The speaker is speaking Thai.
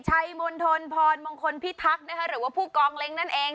ชัยมนธนพรมงคลพี่ทักหรือว่าผู้กองเล้งนั่นเอง